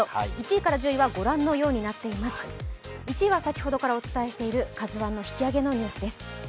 １位は先ほどからお伝えしている「ＫＡＺＵⅠ」の引き揚げのニュースです。